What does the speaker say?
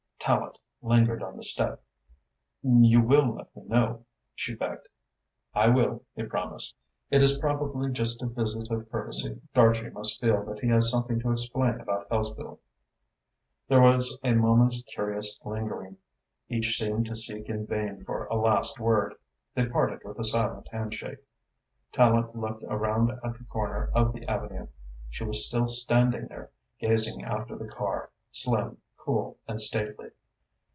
Tallente lingered on the step. "You will let me know?" she begged. "I will," he promised. "It is probably just a visit of courtesy. Dartrey must feel that he has something to explain about Hellesfield." There was a moment's curious lingering. Each seemed to seek in vain for a last word. They parted with a silent handshake. Tallente looked around at the corner of the avenue. She was still standing there, gazing after the car, slim, cool and stately.